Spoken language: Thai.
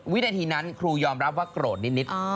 วินาทีนั้นครูยอมรับว่าโกรธนิด